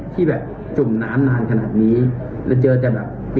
แต่มันสวกนะครับ